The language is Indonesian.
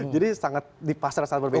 jadi sangat di pasar sangat berbeda